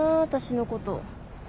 私のこと。